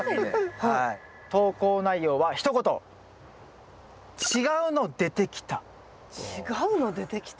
投稿内容はひと言「違うの出てきた」？